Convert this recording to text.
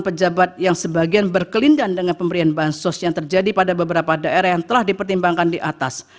pejabat yang sebagian berkelindan dengan pemberian bansos yang terjadi pada beberapa daerah yang telah dipertimbangkan di atas